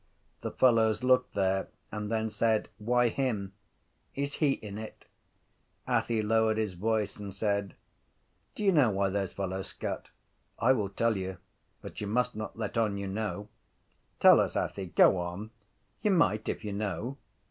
The fellows looked there and then said: —Why him? —Is he in it? Athy lowered his voice and said: —Do you know why those fellows scut? I will tell you but you must not let on you know. —Tell us, Athy. Go on. You might if you know.